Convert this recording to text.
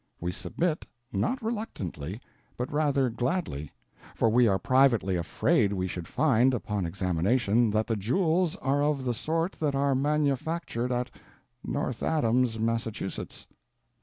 We submit, not reluctantly, but rather gladly, for we are privately afraid we should find, upon examination that the jewels are of the sort that are manufactured at North Adams, Mass.